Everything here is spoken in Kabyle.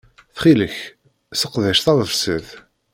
Ttxil-k, seqdec tadebsit!